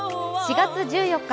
４月１４日